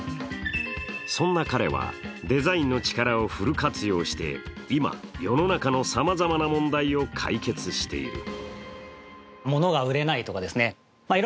そんな彼は、デザインの力をフル活用して今、世の中のさまざまな問題を解決している。